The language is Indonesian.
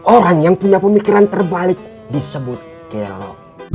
orang yang punya pemikiran terbalik disebut kelo